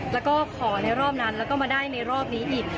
แล้วก็ขอในรอบนั้นแล้วก็มาได้ในรอบนี้อีก